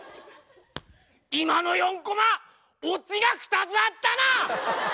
今の４コマオチが２つあったな！